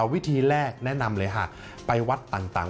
วิธีแรกแนะนำเลยหากไปวัดต่าง